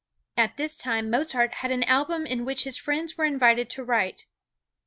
At this time Mozart had an album in which his friends were invited to write.